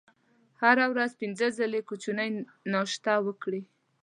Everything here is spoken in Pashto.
هره ورځ پنځه ځلې کوچنۍ ناشته وکړئ.